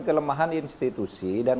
kelemahan institusi dan